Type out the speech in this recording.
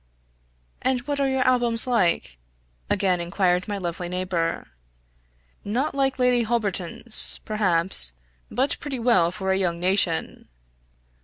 "And what are your albums like?" again inquired my lovely neighbor. "Not like Lady Holberton's, perhaps but pretty well for a young nation."